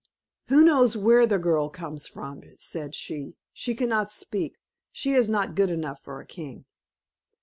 "Who knows where the girl comes from," said she, "she cannot speak; she is not good enough for a king."